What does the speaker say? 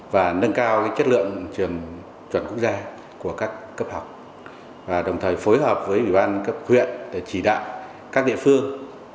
và nâng cao chất lượng trường chuẩn quốc gia của các cấp học và đồng thời phối hợp với ủy ban cấp huyện để chỉ đạo các địa phương